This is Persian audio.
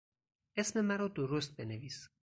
اسم مرا درست بنویس!